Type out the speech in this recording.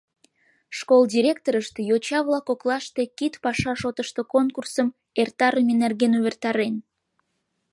Школ директорышт йоча-влак коклаште кид паша шотышто конкурсым эртарыме нерген увертарен.